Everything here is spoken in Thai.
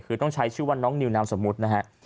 คือต้องใช้ชื่อว่าน้องนิวนามสมมุตินะฮะ